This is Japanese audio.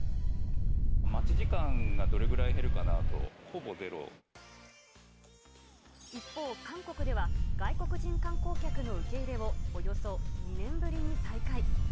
待ち時間がどれぐらい減るか一方、韓国では外国人観光客の受け入れをおよそ２年ぶりに再開。